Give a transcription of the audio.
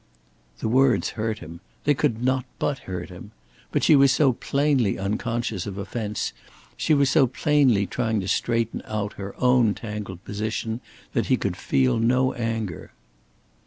The words hurt him. They could not but hurt him. But she was so plainly unconscious of offence, she was so plainly trying to straighten out her own tangled position, that he could feel no anger.